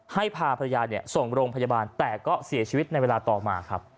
พาภรรยาส่งโรงพยาบาลแต่ก็เสียชีวิตในเวลาต่อมาครับ